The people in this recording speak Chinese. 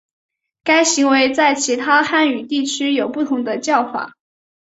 该行为在其他汉语地区有不同的叫法。